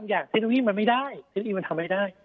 แพล่งสิงงี้มันทำเป็นไรได้